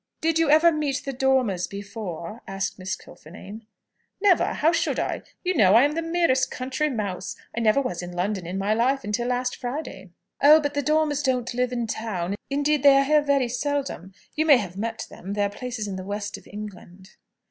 "Did you ever meet the Dormers before?" asked Miss Kilfinane. "Never. How should I? You know I am the merest country mouse. I never was in London in my life, until last Friday." "Oh, but the Dormers don't live in town. Indeed, they are here very seldom. You might have met them; their place is in the West of England."